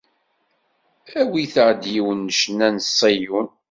Awit-aɣ-d yiwen n ccna n Ṣiyun.